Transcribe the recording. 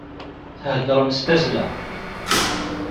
Theddṛem s tazzla.